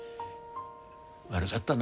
悪がったな。